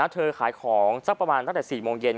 เธอขายของสักประมาณตั้งแต่๔โมงเย็น